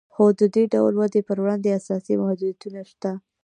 خو د دې ډول ودې پر وړاندې اساسي محدودیتونه شته